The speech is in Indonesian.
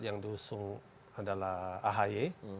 yang diusung adalah ahy